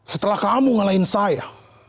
setelah kamu ngalahin saya